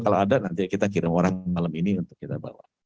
kalau ada nanti kita kirim orang malam ini untuk kita bawa